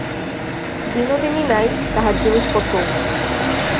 বিনোদিনী নাই, তাহার জিনিসপত্রও নাই।